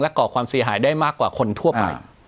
ก่อความเสียหายได้มากกว่าคนทั่วไป